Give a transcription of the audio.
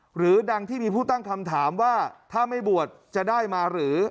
หรือดังที่มีผู้ตั้งคำถามว่าถ้าไม่บวชจะได้มาหรือ